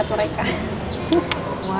ah apa sake